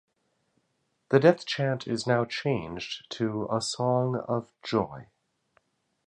The death chant is now changed to a song of joy.